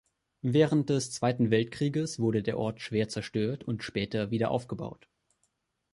Während des Zweiten Weltkrieges wurde der Ort schwer zerstört und später wieder aufgebaut.